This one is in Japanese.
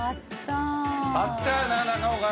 あったよな中岡な。